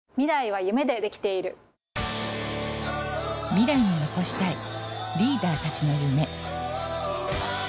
未来に残したいリーダーたちの夢。